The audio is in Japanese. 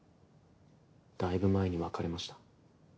だいぶ前に別れました。